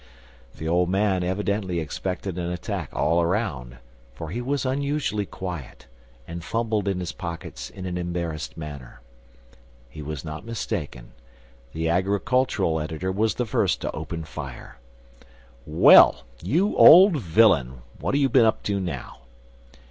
The old man evidently expected an attack all around, for he was unusually quiet, and fumbled in his pockets in an embarrassed manner. He was not mistaken. The agricultural editor was the first to open fire: "Well, you old villain! what have you been up to now?"